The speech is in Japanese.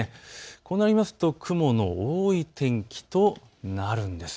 こうなりますと雲の多い天気となるんです。